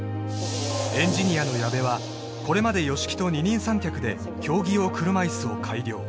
エンジニアの矢部はこれまで吉木と二人三脚で競技用車いすを改良